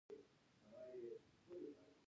اورنګزېب هم د خپل ورور مراد سره همداسې وکړ.